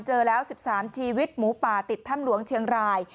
เจอแล้ว๑๓ชีวิตหมูป่าติดถ้ำหลวงเชียงราย